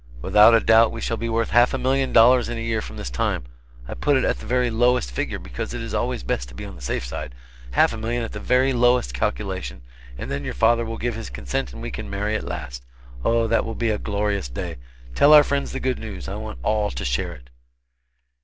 Without a doubt we shall be worth half a million dollars in a year from this time I put it at the very lowest figure, because it is always best to be on the safe side half a million at the very lowest calculation, and then your father will give his consent and we can marry at last. Oh, that will be a glorious day. Tell our friends the good news I want all to share it."